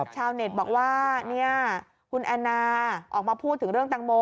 ชาวเน็ตบอกว่าคุณแอนนาออกมาพูดถึงเรื่องแตงโม